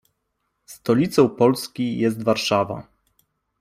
Stolicą Polski jest Warszawa.